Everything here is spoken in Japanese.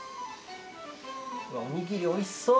おにぎりおいしそう！